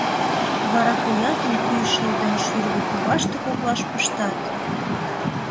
Вара коятым пӱй шыл ден шӱргӧ коваште коклаш пыштат.